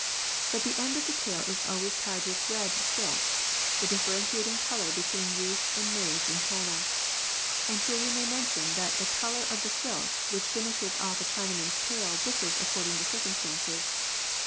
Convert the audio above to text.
But the end of the tail is always tied with red silk — the differentiating colour between youths and maids in China. And here we may mention that the colour of the silk which finishes off a Chinaman's tail differs according to circumstances.